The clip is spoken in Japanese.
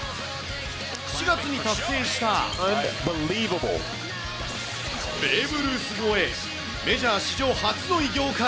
７月に達成した、ベーブ・ルース超え、メジャー史上初の偉業から。